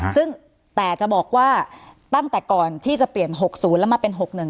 ซึ่งแต่จะบอกว่าตั้งแต่ก่อนที่จะเปลี่ยน๖๐แล้วมาเป็น๖๑